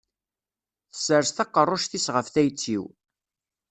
Tessers taqerruct-is ɣef tayet-iw.